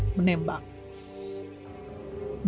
dalam rekonstruksi di rumah dinas verdi sambong